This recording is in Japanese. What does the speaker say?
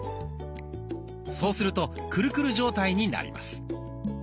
そうするとクルクル状態になります。